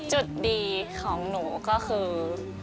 จุดดีของหนูก็คือ